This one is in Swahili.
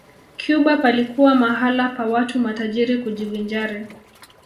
Cuba palikuwa mahala pa watu matajiri kujivinjari